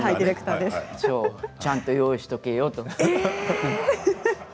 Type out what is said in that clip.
ちゃんと用意しておけよと。